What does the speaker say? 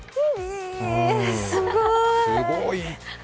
すごーい。